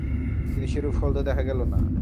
কিন্তু সেরূপ ফল তো দেখা গেল না।